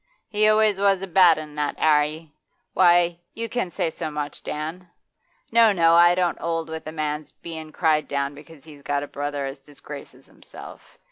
'He always was a bad 'un, that 'Arry. Why, you can say so much, Dan? No, no, I don't 'old with a man's bein' cried down cause he's got a brother as disgraces himself.